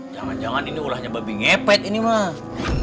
jangan jangan ini ulahnya babi ngepet ini mas